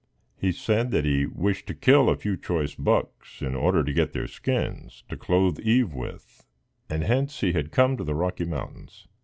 He said that he wished to kill a few choice bucks, in order to get their skins to clothe Eve with, and hence he had come to the Rocky Mountains.